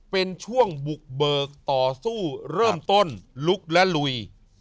เป็นช่วงบุกเบิกต่อสู้เริ่มต้นลุกและลุย